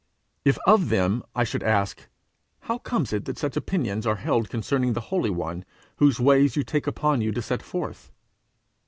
If of them I should ask, 'How comes it that such opinions are held concerning the Holy One, whose ways you take upon you to set forth?'